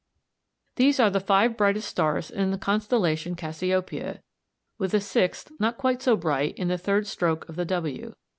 These are the five brightest stars in the constellation Cassiopeia, with a sixth not quite so bright in the third stroke of the W.